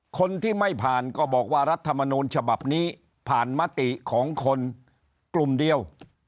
คนที่ไม่ผ่านก็บอกว่ารัฐมนูลฉบับนี้ผ่านมติของคนกลุ่มเดียว